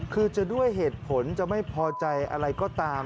คือจะด้วยเหตุผลจะไม่พอใจอะไรก็ตาม